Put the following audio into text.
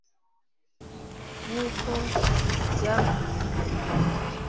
Nkuko byabwiwe Petero